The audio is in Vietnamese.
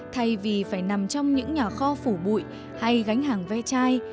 thay vì phải nằm trong những nhà kho phủ bụi hay gánh hàng ve chai